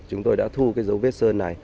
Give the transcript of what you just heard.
chúng tôi đã thu cái dấu vết sơn này